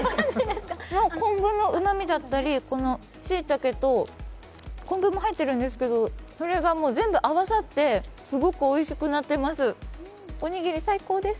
昆布のうまみだったり、しいたけと昆布も入ってるんですけど、それがもう全部合わさってすごくおいしくなってます、おにぎり最高です。